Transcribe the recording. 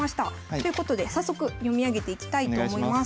ということで早速読み上げていきたいと思います。